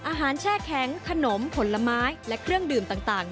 แช่แข็งขนมผลไม้และเครื่องดื่มต่าง